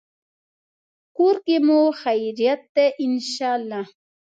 کور کې مو خیریت دی، ان شاءالله